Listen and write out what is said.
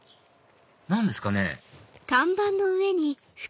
何ですかね？